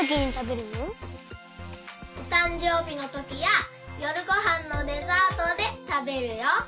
おたんじょうびのときやよるごはんのデザートでたべるよ。